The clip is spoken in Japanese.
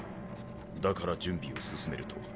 だから準備を進めると。